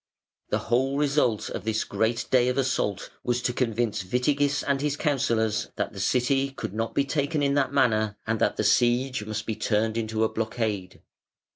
The whole result of this great day of assault was to convince Witigis and his counsellors that the City could not be taken in that manner, and that the siege must be turned into a blockade.